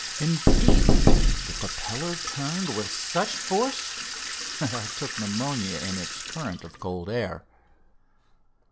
Indeed, the propeller turned with such force that I took pneumonia in its current of cold air.